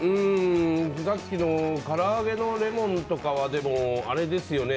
さっきのから揚げのレモンとかはあれですよね。